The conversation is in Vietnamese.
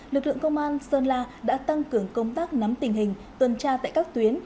lực lượng công an sơn la đã tăng cường công tác nắm tình hình tuần tra tại các tuyến